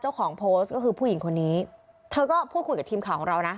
เจ้าของโพสต์ก็คือผู้หญิงคนนี้เธอก็พูดคุยกับทีมข่าวของเรานะ